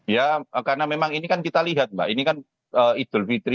ya karena memang ini kan kita lihat mbak ini kan idul fitri